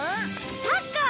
サッカー！